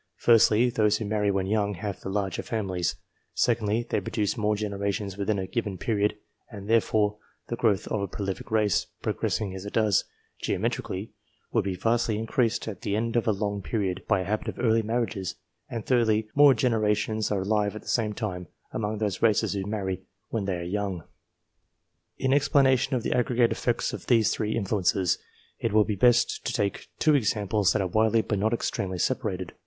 Firstly, those who marry when young have the larger families ; secondly, they produce more genera tions within a given period, and therefore the growth of a prolific race, progressing as it does, " geometrically," would be vastly increased at the end of a long period, by a habit of early marriages; and thirdly, more generations are alive at the same time among those races who marry when they are young. In explanation of the aggregate effect of these three influences, it will be best to take two examples that are widely but not extremely separated.